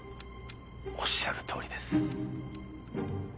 おっしゃる通りです。